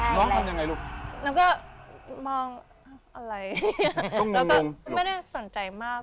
ทำยังไงลูกแล้วก็มองอะไรแล้วก็ไม่ได้สนใจมาก